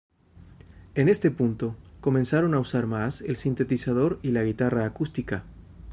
En este punto, comenzaron a usar más el sintetizador y la guitarra acústica.